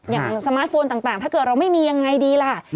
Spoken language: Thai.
อย่างสมาร์ทโฟนต่างถ้าเกิดเราไม่มียังไงดีล่ะ